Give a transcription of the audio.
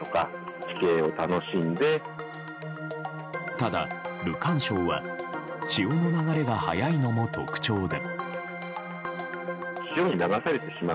ただ、ルカン礁は潮の流れが速いのも特徴で。